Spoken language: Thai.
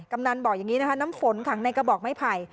กำนันบอกอย่างนี้นะคะน้ำฝนขังในกระบอกไม้ไผ่